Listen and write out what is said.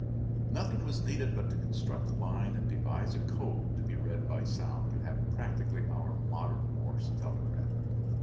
Nothing was needed but to construct a line and devise a code to be read by sound, to have practically our modern Morse telegraph.